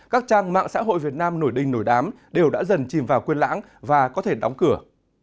các trang mạng xã hội việt nam nổi đinh nổi đám đều đã dần chìm vào quyên lãng và có thể đóng cửa